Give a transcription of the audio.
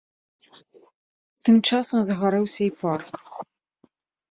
Тым часам загарэўся і парк.